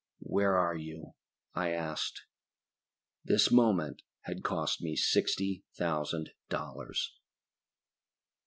"Where are you?" I asked. This moment had cost me sixty thousand dollars.